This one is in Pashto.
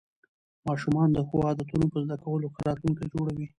ماشومان د ښو عادتونو په زده کولو ښه راتلونکی جوړوي